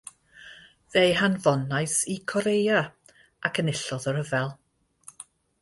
Fe'i hanfonais i Corea ac enillodd y rhyfel.